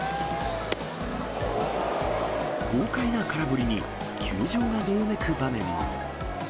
豪快な空振りに、球場がどよめく場面も。